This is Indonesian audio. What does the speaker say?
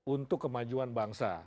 untuk kemajuan bangsa